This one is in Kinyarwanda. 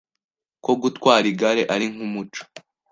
ko gutwara igare ari nk’umuco